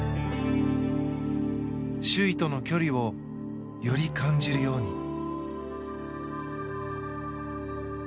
周囲との距離をより感じるように。